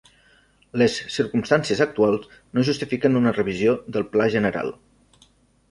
Les circumstàncies actuals no justifiquen una revisió del Pla general.